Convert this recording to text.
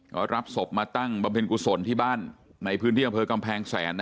ก็รับศพมาตั้งประเภนกุศลที่บ้านในพื้นพิเศษกำแพงแสนนะครับ